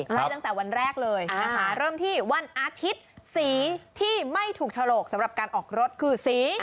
ตั้งแต่วันแรกเลยนะคะเริ่มที่วันอาทิตย์สีที่ไม่ถูกฉลกสำหรับการออกรถคือสี